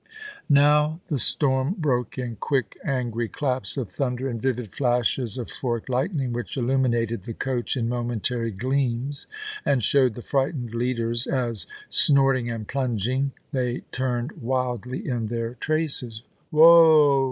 Now the storm broke in quick, angry claps of thunder and vivid flashes of forked lightning, which illuminated the coach in momentary gleams, and showed the frightened leaders, as, snorting and plunging, they turned wildly in their traces. 'Who oa!'